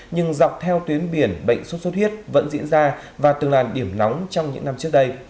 nhưng dọc theo tuyến biển bệnh sốt xuất huyết vẫn diễn ra và từng là điểm nóng trong những năm trước đây